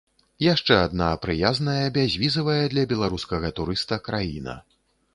Яшчэ адна прыязная, бязвізавая для беларускага турыста краіна.